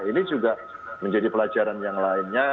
ini juga menjadi pelajaran yang lainnya